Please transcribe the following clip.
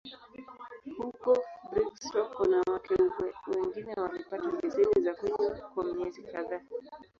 Huko Brigstock, wanawake wengine walipata leseni za kunywa kwa miezi kadhaa.